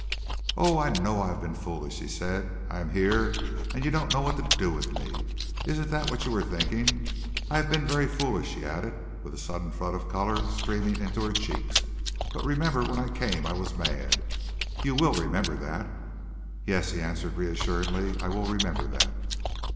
"Oh! I know I have been foolish," she said. "I am here and you don't know what to do with me. Isn't that what you were thinking? I have been very foolish," she added, with a sudden flood of color streaming into her cheeks. "But remember, when I came I was mad. You will remember that?" "Yes!" he answered reassuringly. "I will remember that."